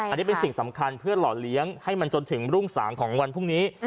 อันนี้เป็นสิ่งสำคัญเพื่อหล่อเลี้ยงให้มันจนถึงรุ่งสางของวันพรุ่งนี้